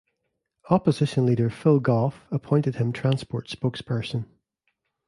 Opposition Leader Phil Goff appointed him Transport Spokesperson.